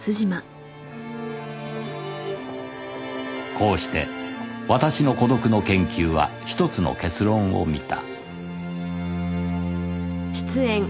こうして私の孤独の研究は一つの結論を見た